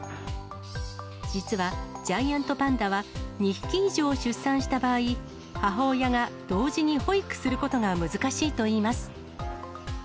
実は、ジャイアントパンダは２匹以上出産した場合、母親が同時に保育することが難しいといいます。